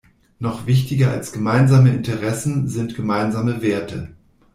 Noch wichtiger als gemeinsame Interessen sind gemeinsame Werte.